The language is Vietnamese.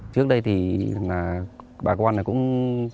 trước đây thì thường là bà con này cũng phụ nữ